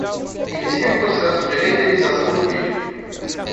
Inicie o processo de rendenização do vídeo.